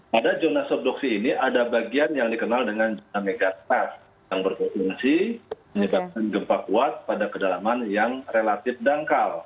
pada zona subduksi ini ada bagian yang dikenal dengan zona megasta yang berpotensi menyebabkan gempa kuat pada kedalaman yang relatif dangkal